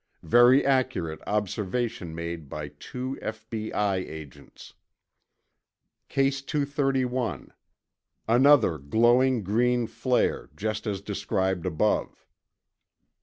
. very accurate observation made by two F.B.I. agents. ... Case 231 ... another glowing green flare just as described above.